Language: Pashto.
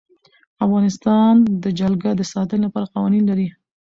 افغانستان د جلګه د ساتنې لپاره قوانین لري.